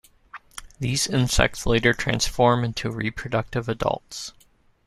These insects later transform into reproductive adults.